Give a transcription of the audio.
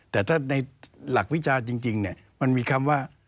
แต่ถ้าในหลักวิจารณ์จริงมันมีคำว่า